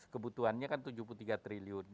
kebutuhannya kan tujuh puluh tiga triliun